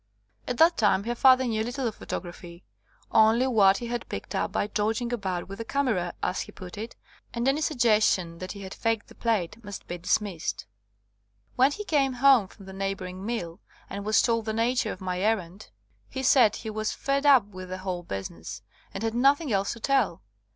At that time her father knew little of pho tography, "only what he had picked up by dodging about with the camera," as he put it, and any suggestion that he had faked the plate must be dismissed. When he came home from the neighbour ing mill, and was told the nature of my errand, he said he was "fed up" with the whole business, and had nothing else to tell.